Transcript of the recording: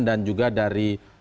dan juga dari